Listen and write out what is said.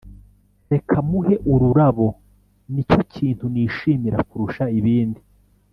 reka muhe ururabo nicyo kintu nishimira kurusha ibindi